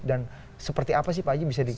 dan seperti apa sih pak haji bisa di